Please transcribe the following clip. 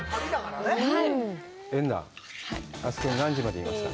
エンナ、あそこは何時までいました？